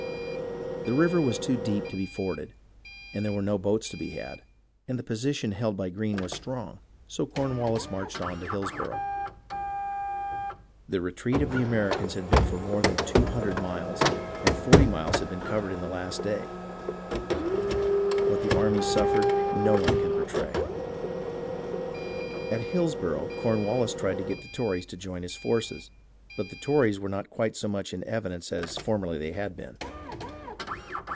The river was too deep to be forded, there were no boats to be had, and the position held by Greene was strong, so Cornvvallis marched on to Hillsborough. The retreat of the Americans had been for more than two hundred miles, and forty miles had been covered in the last day. What the armies suffered no one can portray. At Hillsborough, Cornwallis tried to get the Tories to join his forces, but the Tories were not quite so much in evidence as formerly they had been.